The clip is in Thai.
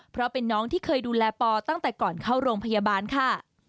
เพราะเป็นน้องที่เคยดูแลปอตั้งแต่ก่อนเข้าโรงพยาบาลค่ะ